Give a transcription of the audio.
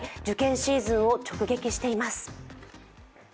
受験シーズンを直撃しています。